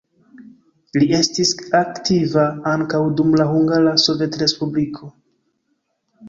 Li estis aktiva ankaŭ dum la Hungara Sovetrespubliko.